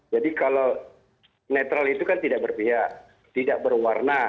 jadi kalau netral itu kan tidak berpihak tidak berwarna